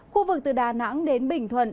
khu vực từ đà nẵng đến bình